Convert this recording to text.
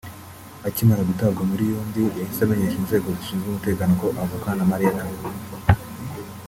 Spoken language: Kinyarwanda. Akimara gutabwa muri yombi yahise amenyesha inzego zishinzwe umutekano ko avukana na Mariah Carey